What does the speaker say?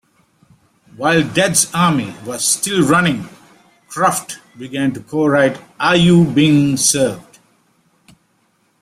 While "Dad's Army" was still running, Croft began to co-write "Are You Being Served?